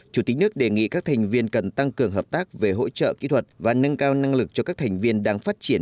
chủ tịch nước đề nghị các thành viên cần tăng cường hợp tác về hỗ trợ kỹ thuật và nâng cao năng lực cho các thành viên đang phát triển